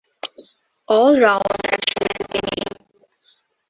All-rounder ছিলেন তিনি।